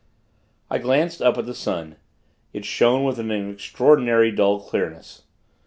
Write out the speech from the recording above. I glanced up at the sun. It shone with an extraordinary, dull clearness.